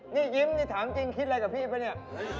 นี่ยิ้มนี่ถามจริงคิดอะไรกับพี่ปะเนี่ย